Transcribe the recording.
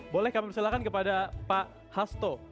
boleh kami silakan kepada pak hasto